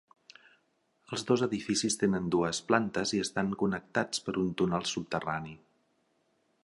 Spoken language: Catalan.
Els dos edificis tenen dues plantes i estan connectats per un túnel subterrani.